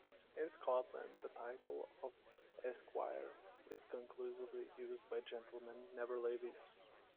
In Scotland, the title of Esquire is exclusively used by Gentlemen, never ladies.